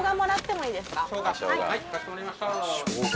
生姜はいかしこまりました。